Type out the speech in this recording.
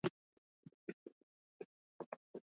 kitu ambacho kilikuwa hakina kweli